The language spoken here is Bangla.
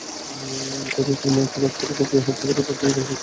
পান্নু তাঁর মাকে রাগ করে কুপিয়ে হত্যা করার কথা স্বীকার করেছেন।